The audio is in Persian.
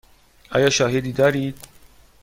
آیا شاهدی دارید؟